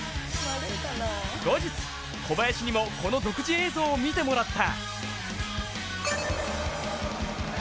後日、小林にもこの独自映像を見てもらった。